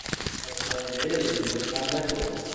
از پنجره به بیرون خم نشو!